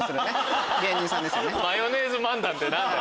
マヨネーズ漫談って何だよ！